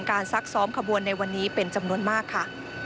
ซักซ้อมขบวนในวันนี้เป็นจำนวนมากค่ะ